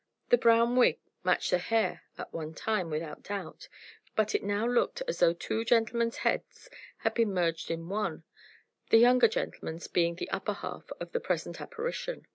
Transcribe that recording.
The brown wig matched the hair at one time, without doubt; but it now looked as though two gentlemen's heads had been merged in one the younger gentleman's being the upper half of the present apparition.